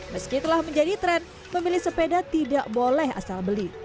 meski telah menjadi tren pemilih sepeda tidak boleh asal beli